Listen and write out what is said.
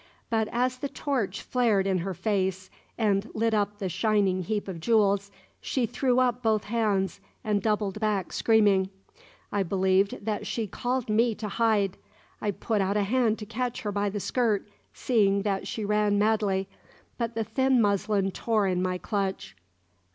But as the torch flared in her face and lit up the shining heap of jewels, she threw up both hands and doubled back screaming. I believed that she called to me to hide. I put out a hand to catch her by the skirt, seeing that she ran madly; but the thin muslin tore in my clutch.